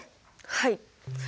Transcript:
はい。